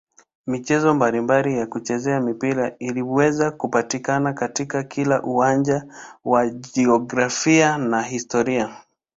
Michezo mbalimbali ya kuchezea mpira inaweza kupatikana katika kila uwanja wa jiografia na historia.